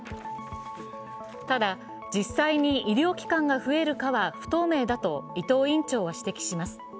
ただ、実際に医療機関が増えるかは不透明だと伊藤院長は指摘します。